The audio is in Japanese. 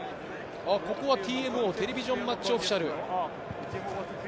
ここはＴＭＯテレビジョンマッチオフィシャル。